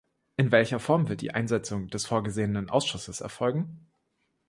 In welcher Form wird die Einsetzung des vorgesehenen Ausschusses erfolgen?